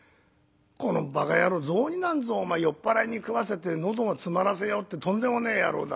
このばか野郎雑煮なんぞお前酔っ払いに食わせて喉を詰まらせようってとんでもねえ野郎だ。